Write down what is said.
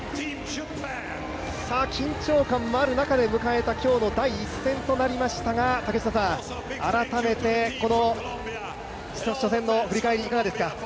緊張感もある中で迎えた今日の第１戦となりましたが改めてこの初戦の振り返りいかがですか？